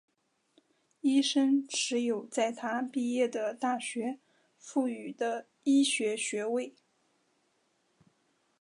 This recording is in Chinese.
医生持有在他毕业的大学赋予的医学学位。